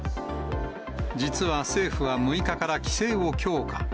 実は政府は６日から規制を強化。